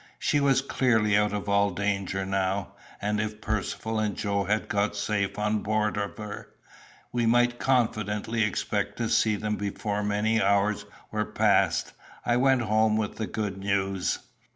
She was clearly out of all danger now; and if Percivale and Joe had got safe on board of her, we might confidently expect to see them before many hours were passed. I went home with the good news.